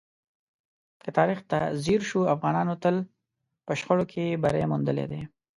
که تاریخ ته ځیر شو، افغانانو تل په شخړو کې بری موندلی دی.